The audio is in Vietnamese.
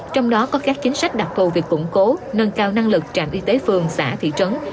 trong đó có các chính sách đặc thù việc củng cố nâng cao năng lực trạm y tế phường xã thị trấn